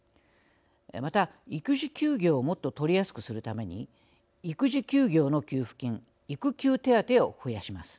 また、育児休業をもっと取りやすくするために育児休業の給付金育休手当を増やします。